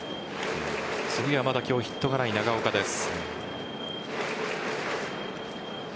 次はまだ今日ヒットがない長岡です。